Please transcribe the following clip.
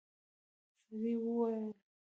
سړي وويل: